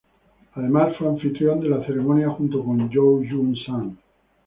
Además fue anfitrión de la ceremonia junto con Yoo Jun Sang.